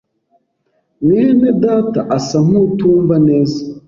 mwene data asa nkutumva neza.